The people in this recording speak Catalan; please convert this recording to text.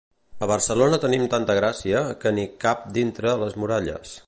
A Barcelona tenim tanta gràcia, que n'hi cap dintre les muralles.